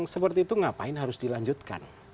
seperti itu ngapain harus dilanjutkan